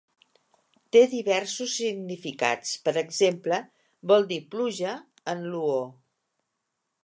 Té diversos significats; per exemple, vol dir "pluja" en luo.